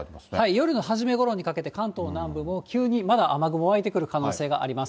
夜の初めごろにかけて、関東南部も、急にまだ雨雲、湧いてくる可能性があります。